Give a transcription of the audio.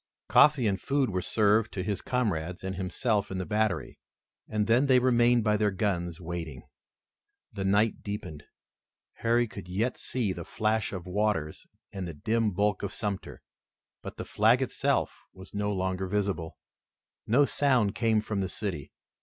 Coffee and food were served to his comrades and himself in the battery, and then they remained by their guns waiting. The night deepened. Harry could yet see the flash of waters and the dim bulk of Sumter, but the flag itself was no longer visible. No sound came from the city.